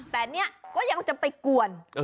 แต่ก็ยังจะไปก่วน